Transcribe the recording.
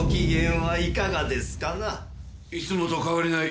いつもと変わりない。